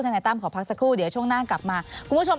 นายตั้มขอพักสักครู่เดี๋ยวช่วงหน้ากลับมาคุณผู้ชม